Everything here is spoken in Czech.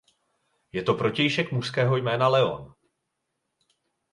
Je to protějšek mužského jména Leon.